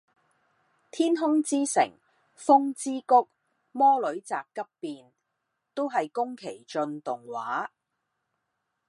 天空之城，風之谷，魔女宅急便，都係宮崎駿動畫